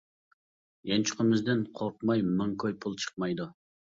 يانچۇقىمىزدىن قورقماي مىڭ كوي پۇل چىقمايدۇ.